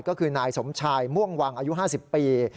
ก็คือนายสมชายม่วงวังอายุ๕๐ปี